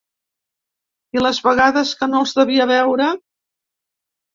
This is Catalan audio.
I les vegades que no els devia veure.